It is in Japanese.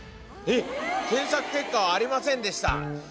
「検索結果はありませんでした」。